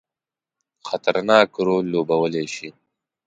خطرناک رول لوبولای شي.